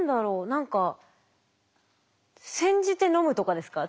何か煎じて飲むとかですか？